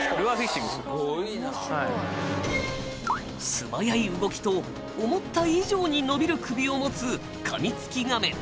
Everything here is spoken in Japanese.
素早い動きと思った以上に伸びる首を持つカミツキガメ。